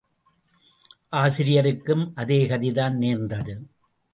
ஆசிரியருக்கும் அதேகதிதான் நேர்ந்தது.